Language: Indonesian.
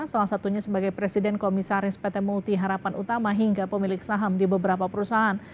salah satunya sebagai presiden komisaris pt multi harapan utama hingga pemilik saham di beberapa perusahaan